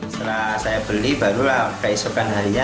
setelah saya beli barulah keesokan harinya